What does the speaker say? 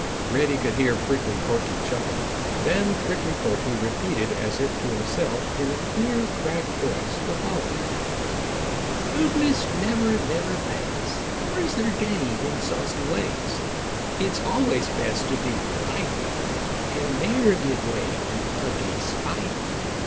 Reddy could hear Prickly Porky chuckle. Then Prickly Porky repeated as if to himself in a queer cracked voice the following: "Rudeness never, never pays, Nor is there gain in saucy ways. It's always best to be polite And ne'er give way to ugly spite.